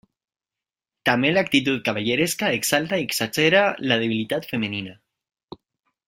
També l'actitud cavalleresca exalta i exagera la debilitat femenina.